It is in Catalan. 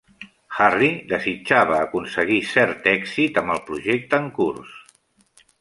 Harry desitjava aconseguir cert èxit amb el projecte en curs.